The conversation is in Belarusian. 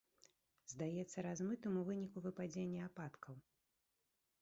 Здаецца размытым у выніку выпадзення ападкаў.